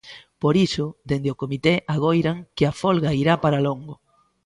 Por iso, dende o Comité agoiran que a folga irá para longo.